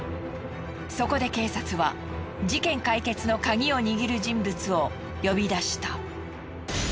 そこで警察は事件解決の鍵を握る人物を呼び出した。